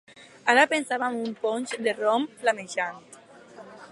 Ara pensava amb un ponx de rom flamejant.